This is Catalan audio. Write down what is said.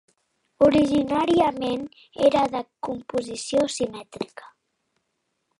Originàriament era de composició simètrica.